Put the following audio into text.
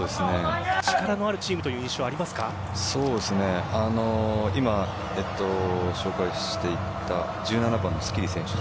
力のあるチームという印象は今、紹介していた１７番のスキリ選手